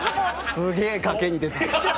すげぇ賭けに出た。